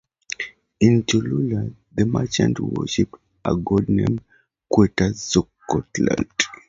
In Cholula, the merchants worshipped a god named Quetzalcoatl.